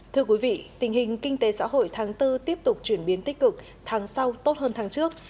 thưa quý vị tình hình kinh tế xã hội tháng bốn tiếp tục chuyển biến tích cực tháng sau tốt hơn tháng trước